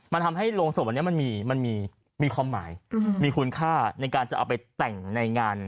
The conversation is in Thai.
มันทำให้โรงศพอันนี้มันมีความหมายมีคุณค่าในการจะเอาไปแต่งในงาน